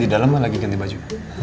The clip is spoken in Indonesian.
di dalam lagi ganti baju